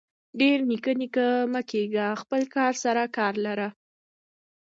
ډير نيکه نيکه مه کيږه خپل کار سره کار لره.